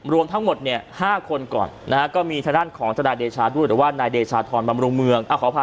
รวมทั้งหมด๕คนก่อนก็มีทางด้านของท่านนายเดชาธรรมรุมเมือง